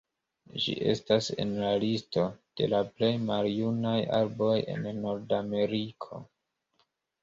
Ĝi estas en la listo de la plej maljunaj arboj en Nordameriko.